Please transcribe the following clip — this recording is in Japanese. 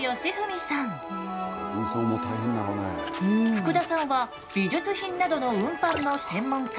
福田さんは美術品などの運搬の専門家。